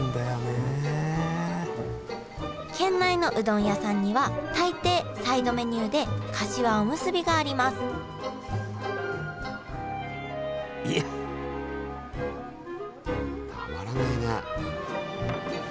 県内のうどん屋さんには大抵サイドメニューでかしわおむすびがありますたまらないね。